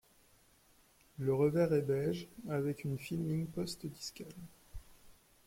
Le revers est beige avec une fine ligne postdiscale.